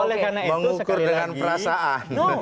mengukur dengan perasaan